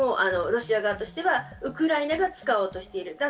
ロシア側としてはウクライナが使おうとしている。